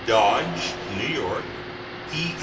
Dodge, New York; E.